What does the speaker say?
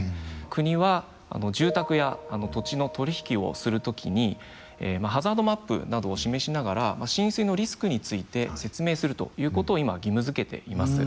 国は住宅や土地の取り引きをする時にハザードマップなどを示しながら浸水のリスクについて説明するということを今義務づけています。